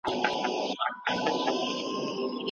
خیر محمد ته خپلې مجبورې سترګې ور یادې شوې.